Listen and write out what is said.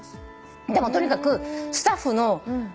でもとにかくスタッフの。